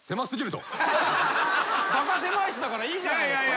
バカせまい史だからいいじゃないですか。